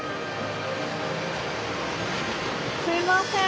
すいません。